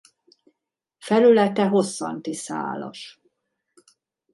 Felülete hosszanti szálas.